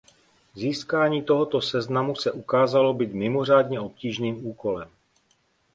Získání tohoto seznamu se ukázalo být mimořádně obtížným úkolem.